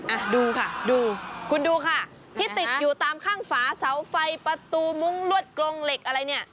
อ่ะดูค่ะดูคุณดูค่ะที่ติดอยู่ตามข้างฝาเสาไฟประตูมุ้งลวดกรงเหล็กอะไรเนี่ย